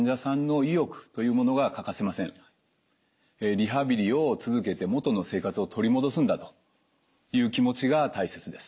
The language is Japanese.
リハビリを続けて元の生活を取り戻すんだという気持ちが大切です。